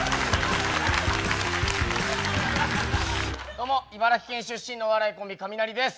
どうも茨城県出身のお笑いコンビカミナリです。